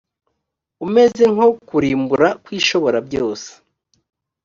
umeze nko kurimbura kw’ishoborabyose